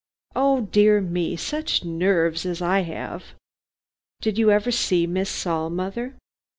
Oh dear me, such nerves as I have." "Did you ever see Miss Saul, mother?"